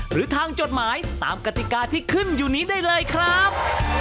หรือทางจดหมายตามกติกาที่ขึ้นอยู่นี้ได้เลยครับ